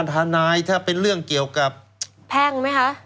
ทนายถ้าเป็นเรื่องเกี่ยวกับแพ่งไหมคะ